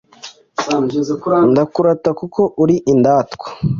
ndakurata kuko uri indatwa